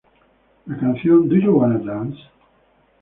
La canción "Do You Wanna Dance?